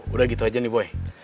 udah gitu aja nih boy